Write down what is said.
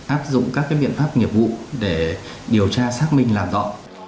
áp dụng các biện pháp nghiệp vụ để điều tra xác minh làm rõ